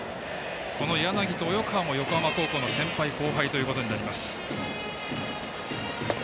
柳と及川も横浜高校の先輩・後輩ということになります。